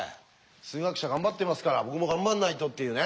数学者頑張ってますから僕も頑張んないとっていうね。